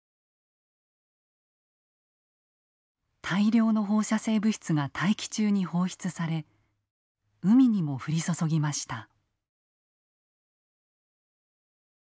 大量の放射性物質が大気中に放出され海にも降り注ぎました。